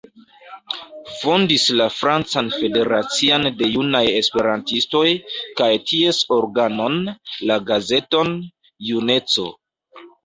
Fondis la Francan Federacion de Junaj Esperantistoj, kaj ties organon, la gazeton „juneco“.